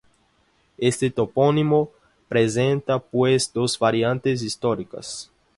Este topónimo presenta, pues, dos variantes históricas.